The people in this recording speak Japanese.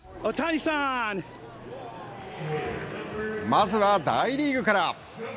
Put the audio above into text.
まずは大リーグから。